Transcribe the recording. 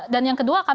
dan yang kedua